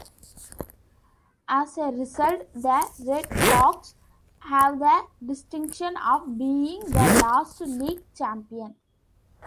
As a result, the RedHawks have the distinction of being the last league champion.